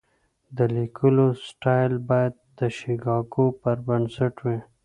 د لیکلو سټایل باید د شیکاګو پر بنسټ وي.